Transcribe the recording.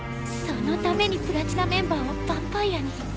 そのためにプラチナメンバーをヴァンパイアに。